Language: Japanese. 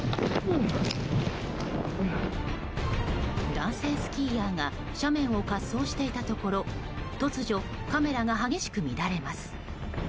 男性スキーヤーが斜面を滑走していたところ突如、カメラが激しく乱れます。